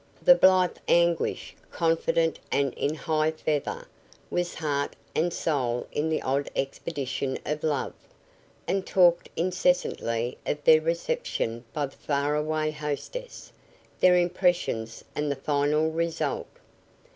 The blithe Anguish, confident and in high feather, was heart and soul in the odd expedition of love, and talked incessantly of their reception by the far away hostess, their impressions and the final result.